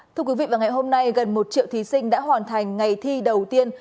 thưa quý vị vào ngày hôm nay gần một triệu thí sinh đã hoàn thành ngày thi đầu tiên